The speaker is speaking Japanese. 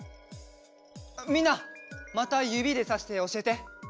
みんなまたゆびでさしておしえて。